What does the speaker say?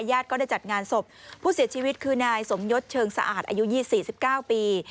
ญาติก็ได้จัดงานศพผู้เสียชีวิตคือนายสมยดเชิงสะอาดอายุยี่สี่สิบเก้าปี